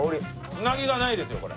つなぎがないですよこれ。